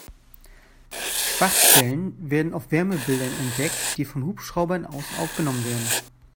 Schwachstellen werden auf Wärmebildern entdeckt, die von Hubschraubern aus aufgenommen werden.